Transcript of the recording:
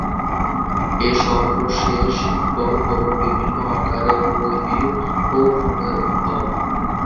এর সর্বশেষ ফল হল বিভিন্ন আকারের গ্রহীয় ভ্রূণের উদ্ভব।